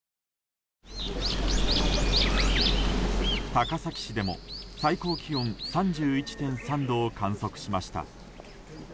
高崎市でも最高気温３１．３度を観測しました。